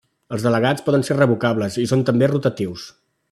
Els delegats poden ser revocables i són també rotatius.